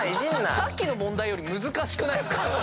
さっきの問題より難しくないっすか？